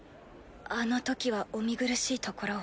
あのときはお見苦しいところを。